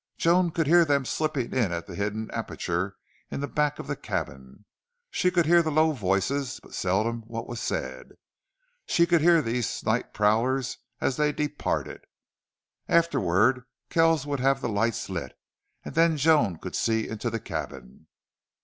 Joan could hear them slipping in at the hidden aperture in the back of the cabin; she could hear the low voices, but seldom what was said; she could hear these night prowlers as they departed. Afterward Kells would have the lights lit, and then Joan could see into the cabin.